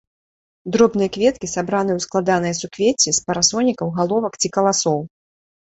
Дробныя кветкі сабраны ў складаныя суквецці з парасонікаў, галовак ці каласоў.